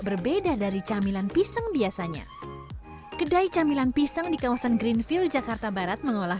berbeda dari camilan pisang biasanya kedai camilan pisang di kawasan greenfill jakarta barat mengolah